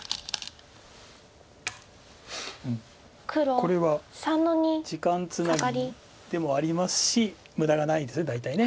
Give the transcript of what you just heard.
これは時間つなぎでもありますし無駄がないです大体。